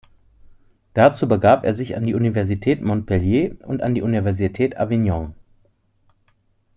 Dazu begab er sich an die Universität Montpellier und an die Universität Avignon.